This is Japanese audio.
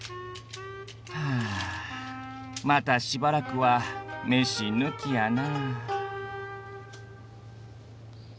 はあまたしばらくはメシ抜きやな。